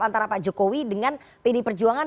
antara pak jokowi dengan pd perjuangan